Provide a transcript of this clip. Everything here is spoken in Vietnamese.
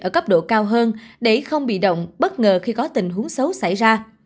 ở cấp độ cao hơn để không bị động bất ngờ khi có tình huống xấu xảy ra